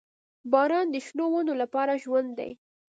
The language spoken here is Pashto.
• باران د شنو ونو لپاره ژوند دی.